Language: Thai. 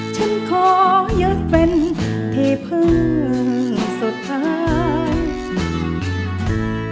ฉันขอยึดเป็นที่พึ่งสุดท้าย